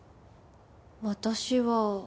私は。